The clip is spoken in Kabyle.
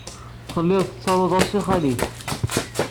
Telliḍ tettaruḍ-as i xali-k.